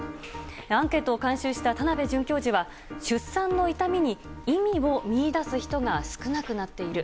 アンケートを監修した田辺准教授は出産の痛みに意味を見出す人が少なくなっている。